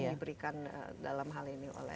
yang diberikan dalam hal ini oleh klhk